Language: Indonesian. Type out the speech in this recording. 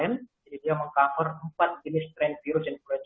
yang namanya tetravalent itu mengucapkan empat jenis strain virus yang berbeda